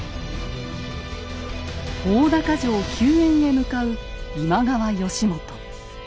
大高城救援へ向かう今川義元。